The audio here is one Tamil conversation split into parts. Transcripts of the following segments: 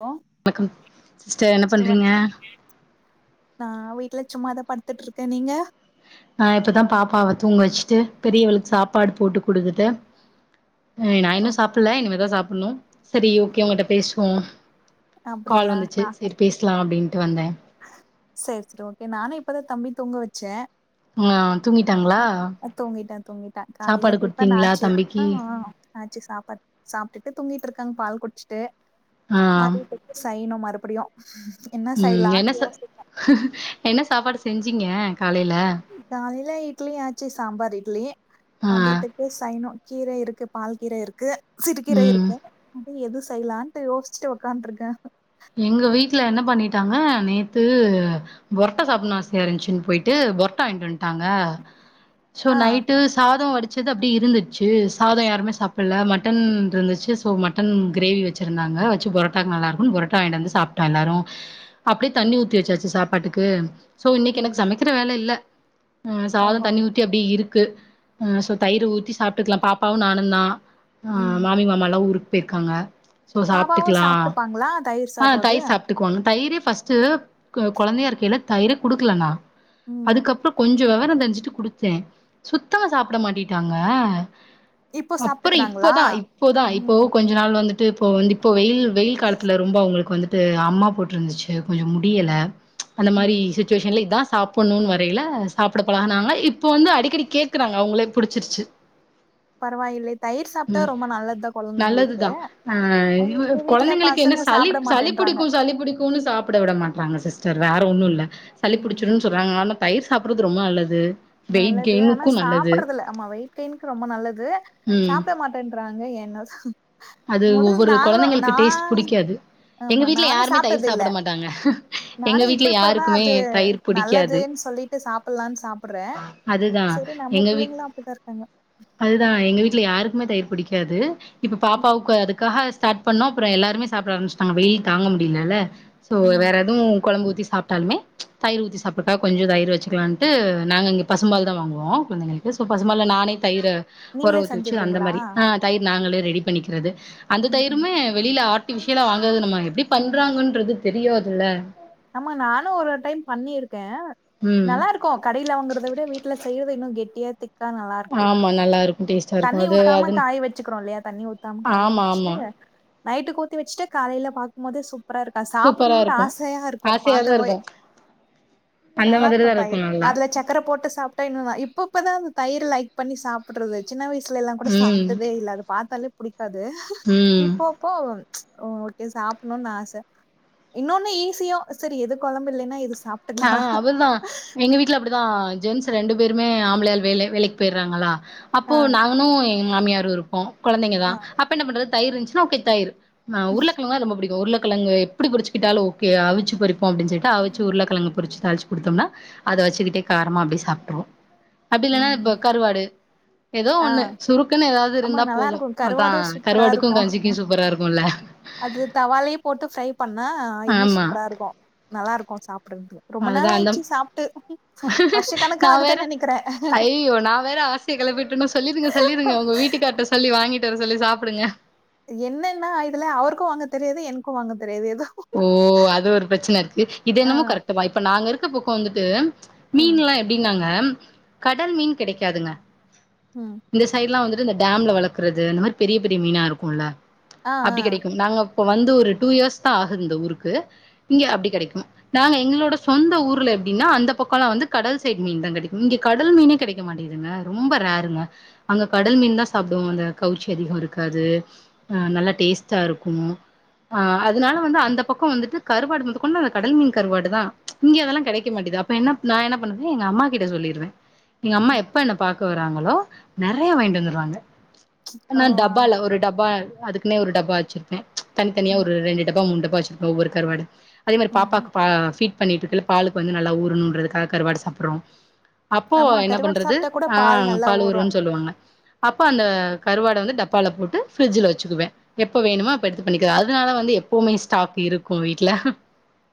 வாங் வணக்கம் சிஸ்டர் என்ன சவன் பண்றீங்க நா வீட்ல சும்மாதா படுத்துட்ருக்க நீங்க நா இப்பதா பாப்பாவ தூங்க வச்சுட்டு பெரியவளுக்கு சாப்பாடு போட்டு குடுத்துட்டு அ நா ஓ இன்னு சாப்பிட்ல இனிமேதா சாப்பிட்ணு சரி ஓகே உங்கிட்ட பேசுவு கால் அப்டிங்களா வந்துச்சு சரி பேசலா அப்டின்ட்டு வந்த சரி சரி ஓகே நானு இப்பதா தம்பி தூங்க வச்ச ஆ தூங்கிட்டாங்ளா தூங்கிட்டா தூங்கிட்டா காலையில சாப்பாடு டிஃபன் குடுத்தீங்ளா ஆச்சு ஆ தம்பிக்கி ஆ ஆச்சு சாப்பா சாப்ட்டுட்டு தூங்கிட்டு இருக்காங்க பால் குடிச்சிட்டு ஆ ம [unintelligible] செய்ணு மறுபடியு என்ன ம் செய்லான் என்ன சாப்பாடு செஞ்சீங்க காலைல காலில இட்லி ஆச்சி சாம்பார் இட்லி ஆ மதியத்துக்கு சைனோ கீர இருக்கு பால் கீர இருக்கு சிறுகீர ம் இருக் கு அதா எது செய்லான்ட்டு யோசிச்சுட்டு உக்காந்துருக்க எங்க வீட்ல என்ன பண்ணிட்டாங்க நேத்து பொரட்டா சாப்பிட்ணு ஆசையா இருஞ்ச்சின்னு போய்ட்டு பொரட்டா வாங்கிட்டு வந்துட்டாங்க சோ ஆ நைட்டு சாதோ வடிச் சது அப்டி இருந்துச்சி சாதோ யாருமே சாப்பில மட்டன் இருந்துச்சு சோ மட்டன் கிரேவி வச் சிருந்தாங்க வச்சி பொரட்டாக்கு நல்லாக்குன் பொரட் டா வாங்கிட்டு வந்து சாப்ட்டோ எல்லாரு அப்டியே தண்ணி ஊத்தி வச்சாச்சு சாப்பாட்டுக்கு சோ இன்னைக்கி ம் எனக்கு சமைக் க்கிற வேல இல்ல அ சாதோ ஓஹோ தண்ணி ஊ து அப்டி இருக்கு அ சோ தயிரு ஊத்தி சாப்ட்டுக்லா பாப்பாவு நானுந்தா ஆ ம் மாமி மாமால்லா ஊருக்கு போய்ருக்காங்க பாபாவு சாப்ட்டுப்பாங்களா தயிர்ஸ் ஆ தயிர் சாப்ட்டுக்குவாங்க தயிரே ஃபஸ்ட்டு க கொழந்தையா இருக்கையில தயிர குடுக்கல நா ம் அதுக்கப்றோ கொஞ்சோ வெவரோ தெரிஞ்சிட்டு குடுத்த சுத்தமா சாப்ட மாட்டின்டாங்க இப்போ அப்புறோ இப்ப சாப்ட்டுக்கறாங்களா தா இப்ப தா இப்போ ம் கொஞ்ச நாள் வந்துட்டு இப்போ வந்து இப்போ வெயில் வெயில் காலத்துல உங்களுக்கு வந்துட்டு அம்மா போட்ருந்துச்சு கொஞ்சோ முடியல அந்த மாரி ம் சிச்சுவேஷன்ல இதா சாப் ப்புட்ணு வரையில சாப்ட பழகனாங்க இப்ப வந்து அடிக்கடி கேக்குறாங்க அவங்களே புடிச்சிருச்சி பரவாயில்லை தயிர் சாப்ட்டா ம் ரொம்ப நல்லதுதா கொழந்தைங்களுக்கு நல்லதுதா அ அது இவ எங்க வீட்ல கொழந்தைங்களுக்கு என்ன பசங்க சாப் சளி சாப்ட சளி மாட்டேன்றாங்க புடிக்கு சளி புடிக்குன்னு சாப்ட விட மாட்றாங்க சிஸ்டர் வேற ஒன்னு இல்ல சளி ம் பிடிச்சிடும்ன் சொல்றாங்க ஆனா தயிர் சாப்புறது ரொம்ப நல்லது வெயிட் நல்லது ஆனா கெய்னுக்கு நல்லது சாப்பிறதுல்ல ஆமா வெய்ட் கெய்ன்க்கு ரொம்ப நல்லது ம் சாப்ட மாட் டன்றாங்க என்ன அது முதல் ஒவ்வொரு நாங்களு நா கொழந்தைங்களுக்கு டேஸ்ட் புடிக்காது எங்க ஆமா வீட்ல நானு யாருமே தயிர் சாப்ட்டது இல்ல சாப்ட மாட்டாங்க எங்க நானு வீட்ல இப்ப இப்பதா யாருக்குமே அது தயிர் புடிக்காது நல்லதுன் சொல்லிட்டு சாப்புட்லான் சாப்பிடுற சரி நம்ம எங்க வீ புள்ளைங்களு அப்டித்தா இருக்காங்க அதுதா எங்க வீட்ல யாருக்குமே தயிர் பிடிக்காது இப்ப பாப்பாவுக்கு அதுக் காக ஸ்டாட் பண்ணோ அப்றோ எல்லாருமே சாப்ட ஆரம்பிச்சிட்டாங்க வெயில் தாங்க முடிலல்ல சோ ம் வேற எதுவு கொழம்பு ஊத்தி சாப்ட்டாலுமே தயிர் ஊத்தி சாப்பிட்டா கொஞ்சோ தயிர் வச்சிக்கலான்ட்டு நாங்க இங்க பசும் பால் தா வாங்குவோ கொஞ்சனே குழந்தைங்களுக்கு சு பசும்பால்ல நானே தயிர ஒர நீங்களே ஊத்தி வச்சு அந்த செஞ்சிடுறீங்களா மாரி ஆ தயிர் நாங்களே ரெடி பண்ணிக்கிறது அந்த ம் தயிருமே வெளில ஆட் டிபிஷியலா வாங்கது நம்ம எப்படி பண்றாங்கன்றது தெரியாதுல்ல ஆமா நானு‌ ஒரு டைம் பண்ணிருக்க ம் நல்லா இருக் கு கடையில வாங்கரத விட வீட்டுல செய்யறத இன்னு கெட்டியா திக்கா நல்லாருக்கு ஆமா நல்லா இருக்கு டேஸ்டா தண்ணி ஊத்தாம காய வெச்சிக்கறோ இல்லையா தண்ணி ஊத்தாம காய ஆமா வெச்சுட்டு ஆமா நைட்டுக்கு ஊத்தி வெச்சிட்டா காலையில பாக்கும்போதே சூப் பர் [inaudible] அது சூப்பரா சாப்படணுன்ட்டு இருக்கு ஆசயா இருக்கு ஆசையாதா பாக்கவே இருக்கு அந்த நல்லா இருக்கு மாதிரிதா தயிர் நல்லா அதுல சக் கர போட்டு சாப்ட்டா இன்னு இப்பப்பதா இந்த தயிர் லைக் பண்ணி சாப்படுறது சின்ன வய சுலளா கூட ம் சாப்ட்டதே இல்ல அது பாத்தாலே புடிக்காது ம் போ போ ஓகே சாப்படனுன்னு ஆச இன்னொன்னு ஈஸியோ சரி எது கொழம்பு இல்லைன்னா இது சாப் அ அதுதா எங்க வீட்டு்ல இப்படி தா ஜென்ஸ் ரெண்டு பேருமே ஆம்பளையால் வேல வேலைக்கு போயர்ராங்களா ஆ அப்போ நா னு எங் மாமியாரு இருப்போ கொழந்தைங்க தா ஆ அப்ப என்ன பண்றது தயிர் இருந்துச்சுன்னா ஓகே தயிறு ஆ உருளக்கெழங்குனா ரொம்ப புடிக்கு உருளக்கெழங்கு எப்டி புடிச்சிகிட்டாலு ஓகே அவிச்சுபொறிப்போ அப்டின்னு சொல்லிட்டு அவிச்சு உருளக் பொறிச்சு தாளிச்சு குடுத்தம்னா அத வச்சுக்கிட்டே காரமா அப்டியே சாப்ட்ருவோ அப்டில்லனா இப்ப ம் கருவாடு ஏதோ ஆ ஒண்ணு சுருக்குன்னு எதாவுது ஆமா இருந்தா நல்லா போது இருக்கு அதா கருவாடு சூப்பரா கருவாடுக்கு இருக்கு கஞ்சிக்கு சூப்பரா இருக்குல்ல அது தவாலயே போட்டு ஃப்ரை பண்ணா இன்னு ஆமா சூப்பரா இருக்கு நல்லா இருக்கு [unintelligible] ரொம்ப அதுதா நாள் அந்த ஆயிர்ச்சு சாப்ட்டு வருஷ கணக்கா நா வேற ஆகுதுன்னு நெனைக்கிறே அய்யய்யோ நா வேற ஆசய கெளப்பிட்டணோ சொல்லீருங்க சொல்லீருங்க உங்க வீட்டுக்கார்ட்ட சொல்லி வாங்கிட்டு வர சொல்லி சாப்புடுங்க என்னன்னா இதுல அவருக்கு வாங்க தெரியாது எனக்கு வாங்க தெரியாது எதோ ஓ அது ஒரு பிரச்சன இருக்கு இது ஆ என்னமோ [unintelligible] இப்ப நாங்க இருக்க பக்கோ வந்துட்டு ம் மீன்லா எப்டின்னாங்க கடல் மீன் கெடைக்காதுங்க ம் இந்த சைடு்லா வந்துட்டு இந்த டேம்ல வளக்கறது இந்த மாரி பெரிய பெரிய மீனா இருக்குல்ல ஆ ஆ அப்படி கெடைக்கு நாங்க இப்ப வந்து ஒரு டூ இயர்ஸ் தா ஆகுது இந்த ஊருக்கு இங்க அப்படி கிடைக்கு நாங்க எங்களோட சொந்த ஊர்ல எப்டின்னா அந்த பக்கோலா வந்து கடல் சைட் மீன் தா கெடைக்கு இங்க கடல் மீனே கெடைக் டைக்க மாட்டிங்குதுங்க ரொம்ப ரேருங்க அங்க கடல் மீன் தா சாப்டுவோ அந்த கவுச்சி அதிகோ இருக்காது அ நல்லா டேஸ்டா இருக்கு அ அதனால வந்து அந்த பக்கோ வந்துட்டு கருவாடு மொத கொண்டு அந்த கடல் மீன் கருவாடு தா இங்க அதெல்லா கெடைக்க மாட்டிது அப் ப என்னப் நா என்ன பண்ணுவே எங்க அம்மா கிட்ட சொல்லிருவே எங்க அம்மா ம் எப்ப என்ன பாக்க வர்றாங்களோ நெறைய வாங்கிட்டு வந்துருவாங்க ஓ நா ஆ டப்பால ஒரு டப்பா அதுக்குனே ஒரு டப்பா வச்சிருப்பே தனித்தனியா ம் ஒரு ரெண்டு டப்பா மூணு டப்பா வெச்சிருப்ப ஒவ்வொரு கருவாடு அதே மாரி ம் பாப்பாக்கு பா பீட் பண்ணிட்டுருக்கையில பாலுக்கு வந்து நல்லா ஊறணுன்றதுக்காக கருவாடு சாப்பர்றோ அப்போ ஆமா என்ன கருவாடு பண்றது சாப்ட்டா கூட ஆ பால் நல்லா ஊரு பால்வுருன்னு சொல்லுவாங்க அப்ப அந்த கருவாடு வந்து டப்பால போட்டு பிரிட்ஜில வெச்சுக்குவே எப்ப வேணுமோ அப்ப எடுத்து பண்ணிக்கலா அதனால வந்து எப்பவுமே ஸ்டாக் இருக்கு வீட்டுல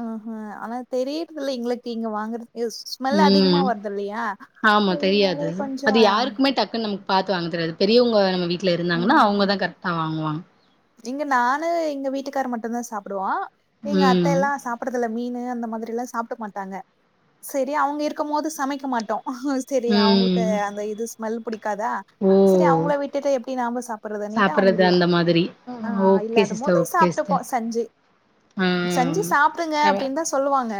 அ அ அனா தெரியறதுல எங்களுக்கு இங்க வாங்கறது [inaudible] ம் ஆமா தெரியாது அதனாலயே கொஞ்சோ அது யாருக்குமே டக்குன்னு நமக் பாத்து வாங்க தெரியாது பெரியவங்க நம்ம வீட்டுல இருந்தாங்கன்னா ம் அவுங்க தா கரெக்டா வாங்குவாங்க இங்க நானு எங்க வீட்டுக்கார் மட்டுதா சாப்புடுவோ எங்க அத்த ம் எல்லா சாப் சாப்படுறதுல மீனு அந்த மாதிரில்லா சாப்டமாட்டாங்க சரி அவங்க இருக்கும் போது சமைக்க மாட்டோ சரி அவங்களுக்கு ம் அந்த இது ஸ்மெல் பிடிக்காதா ஓ சரி அவங்கள விட்டுட்டு எப்டி நாம்ம சாப்பிடுறதுன்னட்டு அவங்க சாப்பறது இ அந்த மாதிரி ஆ ஓகே இல்லாத சிஸ்டர் போது ஓகே சாப்டுப்போ சிஸ்டர் செஞ்சு ஆ செஞ்சு சாப்பிடுங்க அப்டின்னு தா சொல்லுவாங்க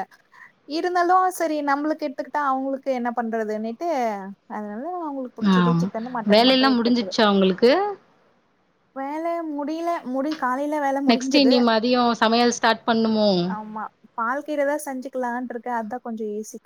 இருந்தாலு சரி நம்மளுக்கு எடுத்துக்கிட்டா அவங்களுக்கு என்ன பண்றதுன்னட்டு அதனால அவங்களுக்கு ஆ புடிச்சது சிக்கன் மட்டன் வேலல்லா மட்டு எடுத்துக்குறது முடிஞ்சிடுச்சா உங்களுக்கு வேல முடியில முடி காலையில வேல நெக்ஸ்ட் முடிஞ்சது இனி மதியோ சமையல் ஸ்டார்ட் பண்ணுமோ ஆமா பால்கீரதா செஞ்சுக்கலான்ருக்கே அதா கொஞ்சொ ஈசி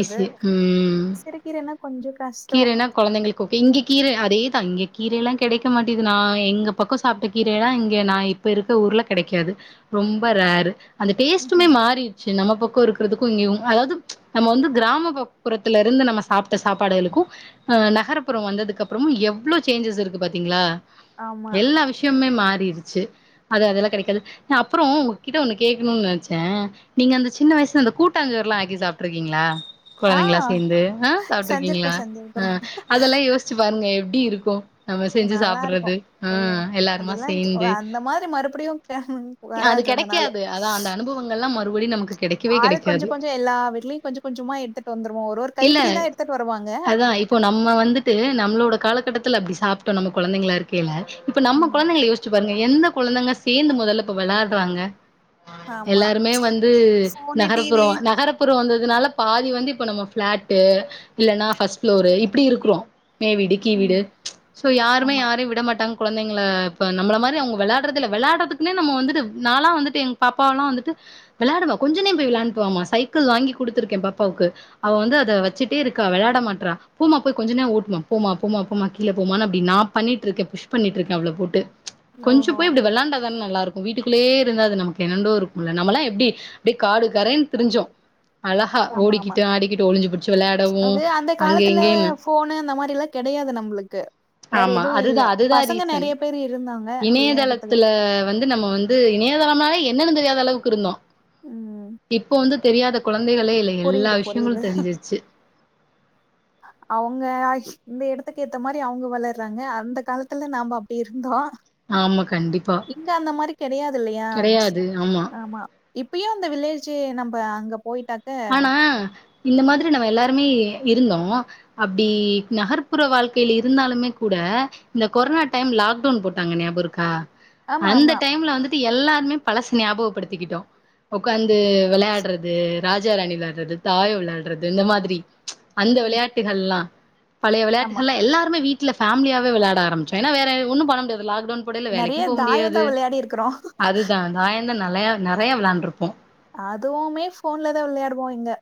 ஈசி ம் கீரனா கொஞ்ச கஷ்டோ கொழந்தைங்குளுக்கு ஓகே இங்க கீரே அதேதா இங்க கீரேல்லா கெடைக்க மாட்டிது நா எங்க பக்க சாப்ட்ட கீரேதா இங்கே நா இப் இப்ப இருக்க ஊர்ல கெடைக்காது ரொம்ப ரேரு அந்த டேஸ்டுமே ம்ஹூம் மாறி இரு ச்சு நம்ம பக்கம் இருக்குறதுக்கும் இங்கியும் அதாவது நம்ம வந்து கிராமப்புறத்துல இருந்து நம்ம சாப்ட்ட சாப்ப பாடுகளுக்கு அ நகர்புற வந்ததுக்கப்புறமு எவ்ளோ சேஞ்சஸ் இருக்கு பாத்தீங்களா ஆமா எல்லா விஷயமுமே மாறிருச்சு அது அதுல்லா கெடைக்காது அப்புற உங்ககிட்ட ஒன்னு கேக்கணும்னு நெனச்ச நீங்க அந்த சின்ன வயசுல அந்த கூட்டாங்சோறுலாம் ஆக்கி சாப்ட்டு இருக்கீங்களா ஆ கொழந்தங்களா சேந்து ஹ சாப் செஞ்சிருக்கோ ருக்கீங்களா ஆ செஞ்சிருக்கிறோ அதெல்லா யோசிச்சு பாருங்க எப்டி இருக்கு நம்ம செஞ்சு நல்லா இருக்கு சாப்பிடறது ஆ ஐயோ எல்லாருமா அதெல்லா சேந்து அந்த மாதிரி மறுபடியு அது வராது அந்த நாளு கெடைக்காது அதா அந்த அனுபவங்கள்லா மறுபடியு நமக்கு கெடைக்கவே ஆளுக்கு கொஞ்சோ கெடைக்காது கொஞ்சோ எல்லா வீட்லயும் கொஞ்சோ கொஞ்சோமா எடுத்துட்டு வந்துறுவோம் ஒரு ஒரு இல்ல கைப்பிடிதா எடுத்துட்டு வருவாங்க அதா இப்போ நம்ம வந்துட்டு நம்மளோட காலக்கட்டத்துல அப்பிடி சாப்ட்டோ நம்ம கொழந்தைங்களா இருக்கயில இப்ப நம்ம ம். கொழந்தைங்கள யோசிச்சு பாருங்க எந்த கொழந்தங்க சேந்து மொதல இப்ப வெளாடுறாங்க ஆமா எல்லாருமே வந்து ஃபோனு நகரப்புற டிவி நகரப் புறம் வந்ததுனால பாதி வந்து இப்ப நம்ம ஃபிளாட்டு இல்லன்னா ஃபஸ்ட் ஃப்ளோரு இப்பிடி இருக்குறோ மே வீடு கீ வீடு ம் சோ யாருமே ஆமா யாரயு விடமாட்டாங்க குழந்தைங்கள இப்ப நம்மல மாரி அவுங்க விளாடுறதுல்ல விளாடறதுக் என்ன நம்ம வந்துட்டு நாலாம் வந்துட்டு எங்க பாப்பாவலாம் வந்துட்டு வெளாடுவா கொஞ்சனேயம் போய் வெளாட்டுவாமா சைக்கிள் வாங்கி குடுத்திருக்கே பாப்பாவுக்கு அவ வந்து அத வச்சுட்டே இருக் க்கா வெளாட மாட்றா போமா போய் கொஞ்ச நேர ஓட்டுமா போமா போமா போமா கீழ போமா அப்டினு நா பண்ணிட்டு இருக்கே புஷ் பண்ணிட்டு இருக்கே அவ்ள போட்டு கொஞ்சம் ஓஹோ போய் அப்டி வெள்ளாண்ட தான நல்லா இருக்கும் வீட்டுக்குள்ளேயே இருந்தா அது நமக்கு என்னண்டோ இருக்கும்ல்ல நம்மல்லா எப்டி அப்டே காடு கரேன்னு திரிஞ்சோம் அழகா ஆமா ஆமா ஓடிக்கிட்டு ஆடிகிட்டு ஒளிஞ்சுபுடிச்சு விளாடு அது அந்த காலத்துல ஃபோனு அந்த மாரில்லா கெடையாது நம்ளுக்கு வேற ஆமா எதுவு அதுதா இல்ல அதுதா பசங்க நெறய பேர் இருந்தாங்க விள்ளயாட்றத்துக்கு அப்பவந்து நம்ம வந்து இணையதளம்னாலே என்னன்னு தெரியாத அளவுக்கு இருந்தோ ம் இப்ப வந்து தெரியாத கொழந்தைகளே இல்ல எல்லா புரியுது புரியுது விஷயங்களும் தெரிஞ்சிறுச்சு அவுங்க அச் இந்த இடத்துக்கு ஏத்த மாரி அவுங்க வளர்றாங்க அந்த காலத்துல நாம அப்டி இருந்தோ ஆமா கண்டிப்பா இங்க அந்த மாரி கெடையாது இல்லயா ஆமா அப்பயும் அந்த வில்லேஜ்சு நம்ம அங்க போயிட்டா ஆனா இந்த மாதிரி நம்ம எல்லாருமே இருந்தோ அப்டி நகர்ப்புற வாழ்க்கயில இருந்தாலுமே கூட இந்த கொர்னா டைம்ல லாக்டவுன் போட்டாங்க ஞாபகம் இருக்கா ஆமா அந்த ஆமா டைம்ல வந்து எல்லாருமே பழசு ஞாபகப்படுத்திக்கிட்டோ ஒக்காந்து வெளாயாடுறது ராஜா ராணி விளாடுறது தாயம் வெளாடுறது இந்த மாதிரி அந்த விளையாட்டுகள்லா பழைய ஆமா வெளாட்டுகள்லா எல்லாருமே வீட்ல ஃபேம்லியாவே வெளாட ஆரம்பிச்சோ ஏன்னா வேற ஒன்னு பண்ண முடியாது லாக்டவுன் போடயில நெறைய வேலைக்கும் போக தாயந்தா முடியாது விளையாடி இருக்குறோ அதுதா தாயம் தா நெலயா நெறையா விளாண்டு இருப்போ அதுவுமே போன்ல தா விளையாடுவோ இங்க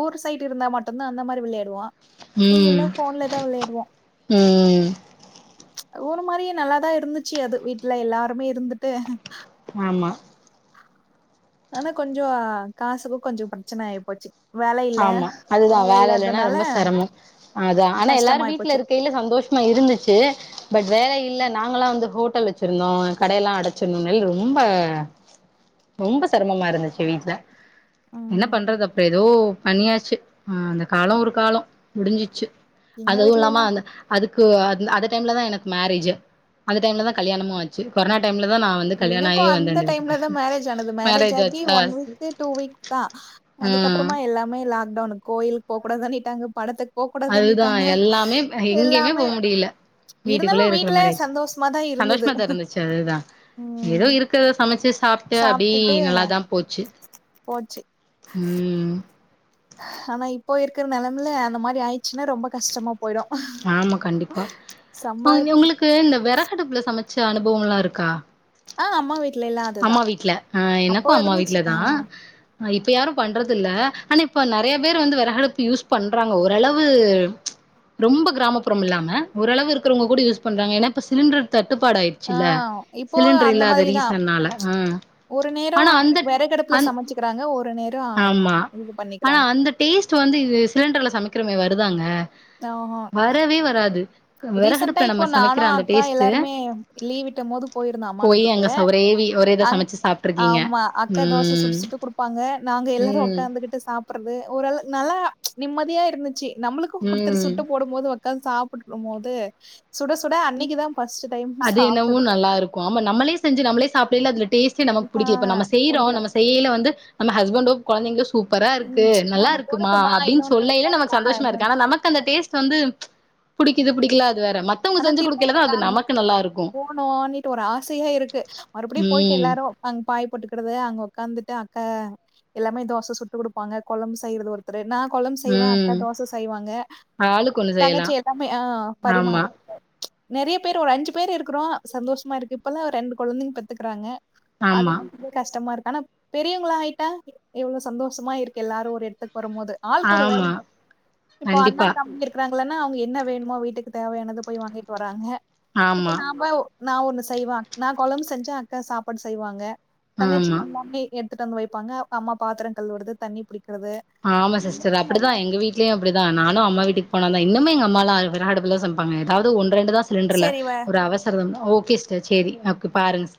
ஊர் சைட்டு இருந்தா மட்டுதா அந்த மாரி விளயாடுவோ ம் ம் ஒரு மாரியி நல்லாதா இருந்துச்சு அது வீட்ல எல்லாருமே இருந்துட்டு ஆமா ஆனா கொஞ்சோ காசுக்கு கொஞ்சோ பிரச்சன ஆயிப்போச்சு ஆமா அதுதா வேல இல்லன்னா ரொம்ப செரமோ அதா ஆனா எல்லாரு கஷ்டமாயி வீட்ல போச்சு இருக்கயில சந்தோஷம் ஆமா இருந்துச்சு பட் வேல இல்ல நாங்கல்லா வந்து ஹோட்டல் வச்சுருந்தோ கடையெல்லா அடச்சினால ரொம்ப ரொம்ப செரமமா இருந்துச்சு வீட்ல என்ன ம் பண்றது அப்ற ஏதோ பண்ணியாச்சு ஆ அந்த காலம் ஒரு காலம் முடிஞ்சிச்சு எங்க அதுவு வீட்ல இல்லாம எல்லா அந்த அதுக்கு அது அந்த டைம்ல தா எனக்கு மேரேஜூ அந்த டைம்ல தா கல்யாணமும் ஆச்சு கொரோனா டைம்ல தா நா வந்து கல்யாண எனக்கு ஆயே வந்தே அந்த இந்த டைம்ல வீட்டுக்கு தா மேரேஜ் ஆனது மேரேஜ் ஆகி ஆயிடுசா ஒன் வீக்கு டூ வீக் தா அதுக்கப்பறமா எல்லாமே லாக்டவுன் கோயிலுக்கு போக்கூடாது பண்ணிட்டாங்க படத்துக் போ கூடது அதுதா பண்ணிட்டாங்க எல்லாமே எங்கேயுமே எல்லாமே போ முடியல இருந்தாலு வீட்டுக்குள்ளே வீட்ல சந்தோஷமாதா இருந்துது செரி தா எதோ இருக்கறத சமைச்சு சாப் ட்டு அப்டி சாப்ட்டுட்டு நல்லாதா போச்சு போச்சு ம் ஆனா இப்போ இருக்கற நெலம்ல அந்த மாரி ஆயிசுன்னா ரொம்ப கஷ்டமா போயிடு சம்பா கு இந்த வெறகடுப்புல சமச்ச அனுபவலா இருக்கா ஆ அம்மா வீட்ல எல்லா அதுதா அம்மா வீட்ல ஆ எனக்கு அப்போ அம்மா இருந்துச்சு வீட்ல தா ஆ இப்ப யாரும் பண்றது இல்ல ஆனா இப்போ நெறைய பேர் வந்து வெறகடுப்பு யூஸ் பண்றாங்க ஓரளவு ரொம்ப கிராமப்புறம் இல்லாம ஒரளவு இருக்குறவங்க கூட யூஸ் பண்றாங்க ஏன்னா இப்ப சிலிண்ரு தட்டுப்பாடா ஆயி ஆ டுச்சுல இப்போ சிலிண்டர் அந்த இல்லாத மாரிதா ரீசன்னால ம் ஒரு நேரம் வெறகடுப்புல சமச்சுக்கிறாங்க ஒரு நேரம் ஆமா இது ஆனா பண்ணிக்றாங்க அந்த டேஸ்ட் வந்து இது சிலிண்டர்ல சமைக்கிறமே வருதாங்க வரவே வராது [inaudible] ரீசென்டா வெறகடுப்புல இப்போ நம்ம நானு சமைக்கிற அந்த அக்கா டேஸ்ட்டு எல்லாருமே லீவ் விட்ட மோது போயிருந்த அம்மா போய் வீட்டுக்கு அங்க ச ஒரே வி ஒரே இத அங் சமைச்சு சாப்ட்ருக்கீங்க ஆமா அக்கா தோச சுட்டு ம் சுட்டு குடுப்பாங்க நாங்க எல்லாரு ம் உக்காந்து கிட் டு சாப்றது ஓரள நல்லா நிம்மதியா இருந்துச்சு நம்ளுக்கு குடுத் ம் போடும்போது உக்காந்து சாப்பிட்ருக்கும்போது சுட சுட அன்னைக்குதா ஃபஸ்ட் டைம் அது என்னவோ சாப்டது நல்லா இருக்கு ஆமா நமளே செஞ்சு நமளே சாப்டைல அது டேஸ்டே நமக்கு ஆ புடிக்குது இப்ப நம்ம செய்றோ புடிக்கல நம செய்யில வந்து நம்ம ஹஸ்பண்டோ கொழந்தைங்களு சூப்பரா இருக்கு ம் நல்லா இன்னொன்னு இருக்குமா போடட்டுமா அப்டின்னு இன்னொன்னு சொல்லைல நமக்கு சந்தோஷமா இருக்கு ஆனா நமக்கு அந்த டேஸ்ட் வந்து புடிக்குது புடிக்கல அது வேற மத்த ஆனா திரும்பவும் [inaudible] போனும்ன்ட்டு ஒரு ஆசையும இருக்கு மறுபடியு போயிட்டு ம் எல்லாரு அங்க பாய் போட்டுக்றது அங்க உக்காந்துட்டு அக்கா எல்லாமே தோச சுட்டுக் குடுப்பாங்க கொழம்பு செய்றது ஒரு நா கொழம்பு செய்வ அக்கா ம் தோச செய்வாங்க ஆளுக்கு ஒண்ணு செய்யலா தங்கச்சி எல்லாமே ஆங் ஆமா பரிமாறி நெறைய பேரு ஒரு அஞ்சு பேரு இருக்குறோ சந்தோஷமா இருக்கு இப்பல்லா ரெண்டு கொழந்தைங்க பெத்துக்றாங்க அது ஆமா வந்து கஷ்டமா இருக்கு ஆனா பெரியவங்ளா ஆயிட்டா எவ்ளோ சந்தோஷமா இருக்கு எல்லாரு ஒரு எடத்துக்கு வரும்போது ஆளுக்கொரு வேல ஆமா இப்போ அண்ண கண்டிப்பா தம்பி இரு இருக்கறாங்களன்னா அவங்க என்ன வேணுமோ வீட்டுக்கு தேவையானத போய் வீட்டுக்கு வாங்கிட்டு வராங்க இப்ப ஆமா நாமொ நா ஒண்ணு செய்வ நா கொழம்பு செஞ்ஜா அக்கா சாப்பாடு செய்வாங்க தங்கச்சி ஆமா எல்லாமே எடுத் ட்டு வந்து வைப்பாங்க அம்மா பாத்திர கழுவுறது தண்ணி புடிக்கிறது ஆமா சிஸ்டர் அப்டிதா எங்க வீட் லயு அப்டிதா நானு அம்மா வீட்டுக்கு போனாதா இன்னமு எங்க அம்மாலா வெறகடுப்புலதா சமப்பாங்க எதாது ஒன்ரெண்டுதா சிலிண்டர்ல சரி வ ஒரு அவசர ஓகே சிஸ்டர் சேரி ஓகே பாருங்க